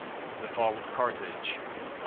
THE FALL OF CARTHAGE [146 B.